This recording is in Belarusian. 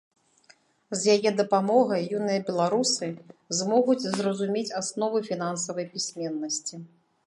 З яе дапамогай юныя беларусы змогуць зразумець асновы фінансавай пісьменнасці.